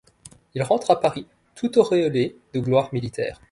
Il rentre à Paris tout auréolé de gloire militaire.